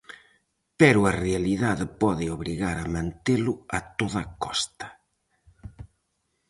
Pero a realidade pode obrigar a mantelo a toda costa.